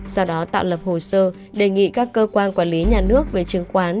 sau đó tạo lập hồ sơ đề nghị các cơ quan quản lý nhà nước về chứng khoán